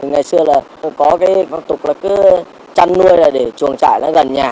ngày xưa là có cái phong tục là cứ chăn nuôi để chuồng trải gần nhà